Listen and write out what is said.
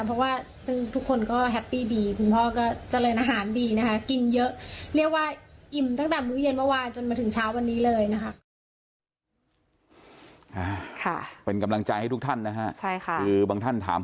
เพราะว่าทุกคนก็แฮปปี้ดีคุณพ่อก็เจริญอาหารดีนะคะกินเยอะ